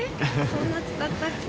そんな使ったっけ？